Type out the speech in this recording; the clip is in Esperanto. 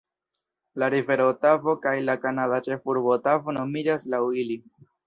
La Rivero Otavo kaj la kanada ĉefurbo Otavo nomiĝas laŭ ili.